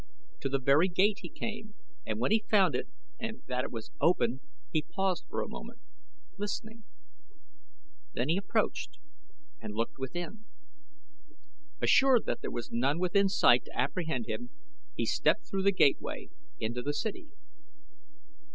To the very gate he came and when he found it and that it was open he paused for a moment, listening; then he approached and looked within. Assured that there was none within sight to apprehend him he stepped through the gateway into the city.